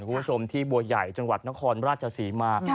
คุณผู้ชมที่บัวใหญ่จังหวัดนครราชศรีมา